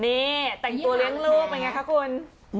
นี่แต่งตัวเลี้ยงรูปมันยังไงคะคุณ